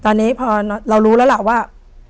ตอนนี้พอเรารู้แล้วล่ะว่า